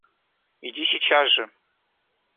Иди сейчас же!